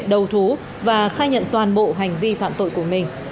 đầu thú và khai nhận toàn bộ hành vi phạm tội của mình